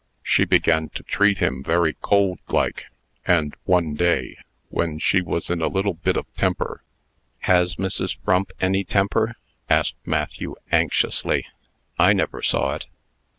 She began to treat him very cold like, and, one day, when she was in a little bit of temper " "Has Mrs. Frump any temper?" asked Matthew, anxiously. "I never saw it."